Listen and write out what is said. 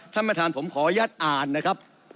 ท่านประธานผมขออนุญาตอ่านนะครับ